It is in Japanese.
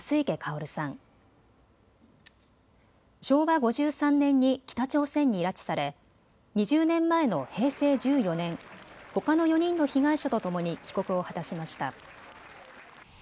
昭和５３年に北朝鮮に拉致され２０年前の平成１４年、ほかの４人の被害者とともに帰国を果たしました。